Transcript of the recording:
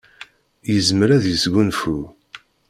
Yezmer ad yesgunfu.